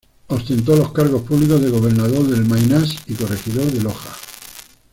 Ostentó los cargos públicos de Gobernador del Maynas y Corregidor de Loja.